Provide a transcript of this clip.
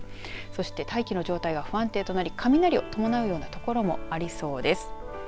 そして大気の状態が不安定となり雷を伴うような所もありそうです。